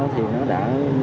thì nó đã